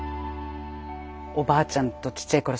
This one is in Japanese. おばあちゃんとちっちゃいころ